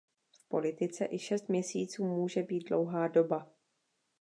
V politice i šest měsíců může být dlouhá doba!